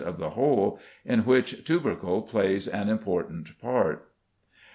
of the whole) in which tubercle plays an important part.